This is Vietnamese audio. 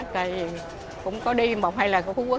tại vì cũng có đi một hay là có khu quốc